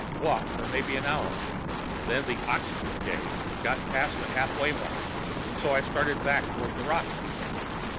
Walked for maybe an hour; then the oxygen gauge got past the halfway mark, so I started back toward the rocket.